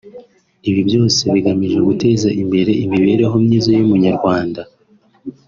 Ibi byose bigamije guteza imbere imibereho myiza y’Umunyarwanda